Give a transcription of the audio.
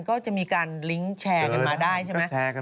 ก็จะมีการลิงก์แชร์กันมาได้ใช่ไหม